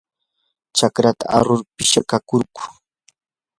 chakrata arur pishikarquu.